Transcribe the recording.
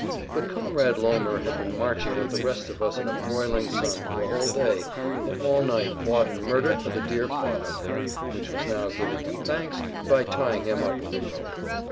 But comrade Lohmer had been marching with the rest of us in a broiling sun for a whole day, had all night fought and murdered for the dear Fatherland which was now giving him thanks by tying him up with a rope.